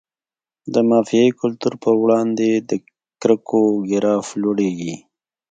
د مافیایي کلتور په وړاندې د کرکو ګراف لوړیږي.